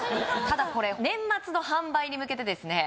ただこれ年末の販売に向けてですね